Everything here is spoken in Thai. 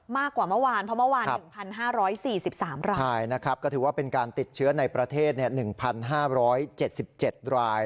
มากกว่าเมื่อวานเพราะเมื่อวาน๑๕๔๓รายใช่นะครับก็ถือว่าเป็นการติดเชื้อในประเทศ๑๕๗๗ราย